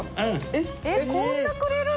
えっ！